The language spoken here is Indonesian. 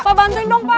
pak bantuin dong pak